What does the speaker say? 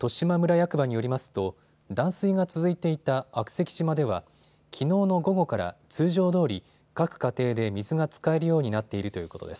役場によりますと断水が続いていた悪石島ではきのうの午後から通常どおり各家庭で水が使えるようになっているということです。